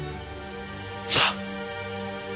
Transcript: さあ！